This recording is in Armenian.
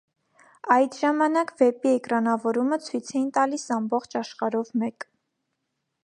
Այդ ժամանակ վեպի էկրանավորումը ցույց էին տալիս ամբողջ աշխարհով մեկ։